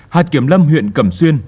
hạt kiểm lâm huyện cẩm xuyên